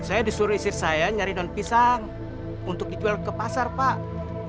saya disuruh istri saya nyari daun pisang untuk dijual ke pasar pak